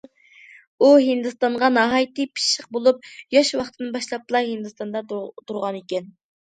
ئۇ ھىندىستانغا ناھايىتى پىششىق بولۇپ، ياش ۋاقتىدىن باشلاپلا ھىندىستاندا تۇرغانىكەن.